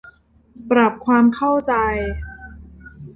ปรับความเข้าใจ